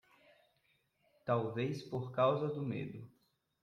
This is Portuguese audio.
Talvez por causa do medo